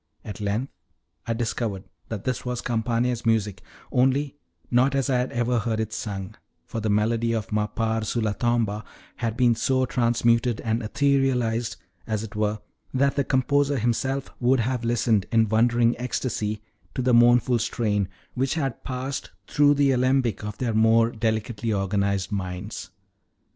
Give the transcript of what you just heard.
At length I discovered that this was Campana's music, only not as I had ever heard it sung; for the melody of M'appar sulla tomba had been so transmuted and etherealized, as it were, that the composer himself would have listened in wondering ecstasy to the mournful strains, which had passed through the alembic of their more delicately organized minds.